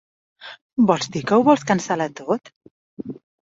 Vols dir que ho vols cancel·lar tot?